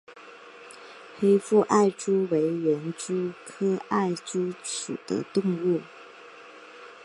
黑腹艾蛛为园蛛科艾蛛属的动物。